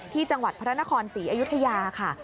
ที่จังหวัดพระนครศรีอยุธยาค่ะ